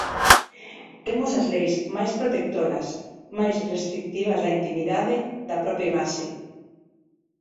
Temos as leis máis protectoras, máis restritivas da intimidade, da propia imaxe.